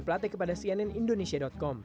plate kepada cnn indonesia com